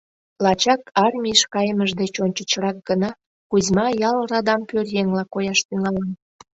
Лачак армийыш кайымыж деч ончычрак гына Кузьма ял радам пӧръеҥла кояш тӱҥалын.